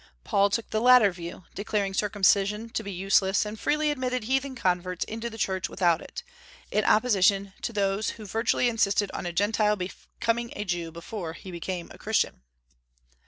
Paul took the latter view; declared circumcision to be useless, and freely admitted heathen converts into the Church without it, in opposition to those who virtually insisted on a Gentile becoming a Jew before he could become a Christian.